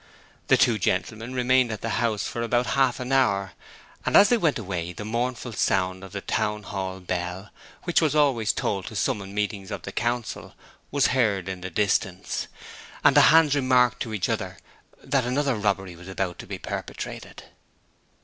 The two gentlemen remained at the house for about half an hour and as they went away the mournful sound of the Town Hall bell which was always tolled to summon meetings of the Council was heard in the distance, and the hands remarked to each other that another robbery was about to be perpetrated.